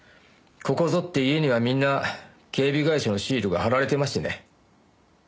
ここぞって家にはみんな警備会社のシールが貼られていましてね。